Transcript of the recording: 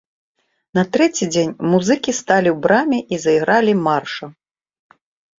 На трэці дзень музыкі сталі ў браме і зайгралі марша.